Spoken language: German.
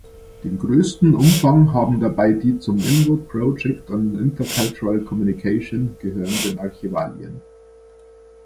Den größten Umfang haben dabei die zum Inwood Project on Intercultural Communication gehörenden Archivalien.